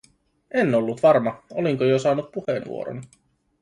En ollut varma, olinko jo saanut puheenvuoron.